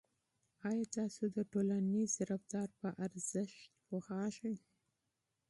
آیا تاسو د ټولنیز رفتار په اهمیت پوهیږئ.